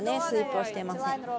スイープをしていません。